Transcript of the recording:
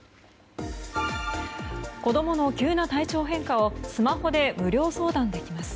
子供の急な体調変化をスマホで無料相談できます。